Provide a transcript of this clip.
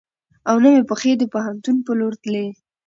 او نه مې پښې د پوهنتون په لور تلې .